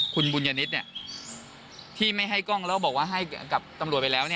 คุณบุญญนิตที่ไม่ให้กล้องแล้วบอกว่าให้กับตำรวจไปแล้ว